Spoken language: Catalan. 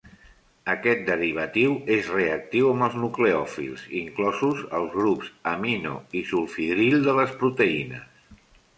Aquest derivatiu és reactiu amb els nucleòfils, inclosos els grups amino i sulfhidril de les proteïnes.